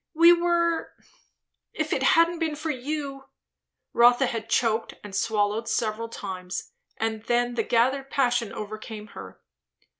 we were if it hadn't been for you " Rotha had choked and swallowed several times, and then the gathered passion overcame her.